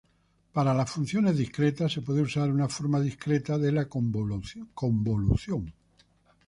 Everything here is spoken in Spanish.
Para las funciones discretas se puede usar una forma discreta de la convolución.